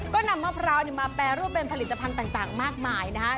ก็นำมะพร้าวมาแปรรูปเป็นผลิตภัณฑ์ต่างมากมายนะฮะ